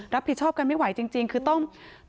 รับผิดชอบกันไม่ไหวจริงคือต้อง